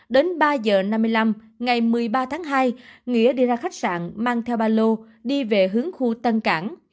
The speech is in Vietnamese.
đến ba giờ năm mươi năm ngày một mươi ba tháng hai nghĩa đi ra khách sạn mang theo ba lô đi về hướng khu tân cảng